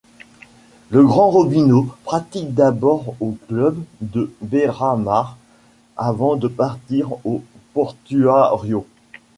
Le grand Robinho pratique d'abord au club de Beira-Mar avant de partir au Portuario.